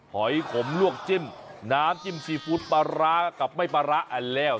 หอยขมลวกจิ้มน้ำจิ้มซีฟู้ดปลาร้ากับไม่ปลาร้าแอนแล้ว